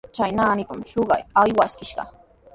Chay naanipami suqakuq aywaskishqa.